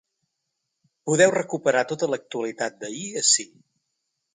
Podeu recuperar tota l’actualitat d’ahir ací.